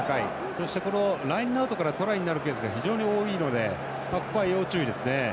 そしてラインアウトからトライになるケースが非常に多いのでここは要注意ですね。